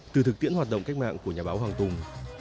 từ thực tiễn hoạt động cách mạng của nhà báo hoàng tùng